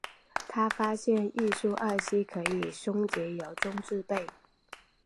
他发现异戊二烯可以从松节油中制备。